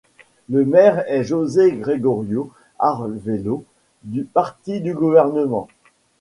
Le maire est Jóse Gregorio Arvelo du parti du gouvernement.